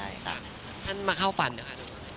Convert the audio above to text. ท่านมาเข้าฝันเหรอครับ